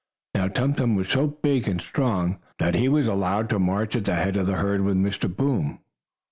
Now Tum Tum was so big and strong, that he was allowed to march at the head of the herd with Mr. Boom.